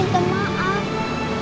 kamu nggak salah kok